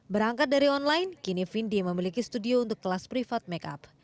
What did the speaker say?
berangkat dari online kini findi memiliki studio untuk kelas private makeup